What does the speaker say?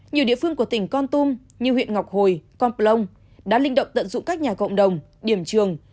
nhiều địa phương của tỉnh con tum như huyện ngọc hồi con plong đã linh động tận dụng các nhà cộng đồng điểm trường